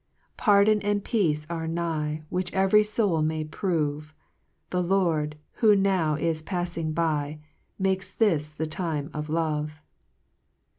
Pardon and peace are nigh, Which every foul may prove ; The Lord, who now is paffing by, Makes this the time of love.